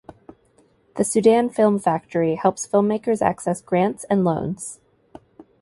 The Sudan Film Factory helps filmmakers access grants and loans.